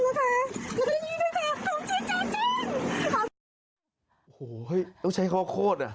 โอ้โหต้องใช้ข้อโคตร